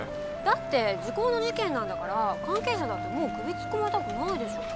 だって時効の事件なんだから関係者だってもう首突っ込まれたくないでしょう。